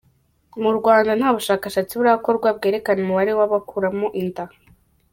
Mu Rwanda, nta bushakshatsi burakorwa bwerekana umubare w’abakuramo inda.